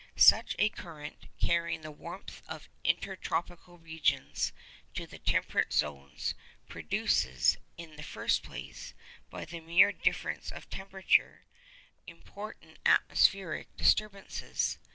Such a current, carrying the warmth of intertropical regions to the temperate zones, produces, in the first place, by the mere difference of temperature, important atmospheric disturbances.